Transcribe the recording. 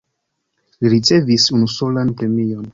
Li ricevis unusolan premion.